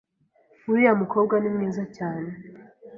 Uriya mukobwa ni mwiza, cyane